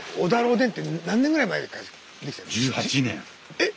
えっ！